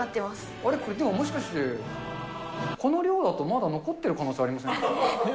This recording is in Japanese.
あれ、でもこれもしかして、この量だとまだ残ってる可能性ありません？